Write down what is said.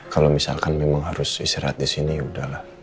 kalau misalkan memang harus istirahat di sini ya udahlah